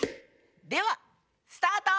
ではスタート！